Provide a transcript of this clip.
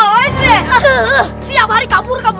eh ayo cepat ini untukmu